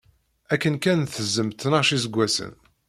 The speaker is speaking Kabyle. Akken kan tzemm tnac iseggasen.